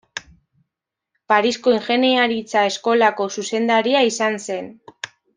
Parisko ingeniaritza-eskolako zuzendaria izan zen.